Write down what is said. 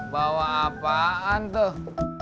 bawa apaan tuh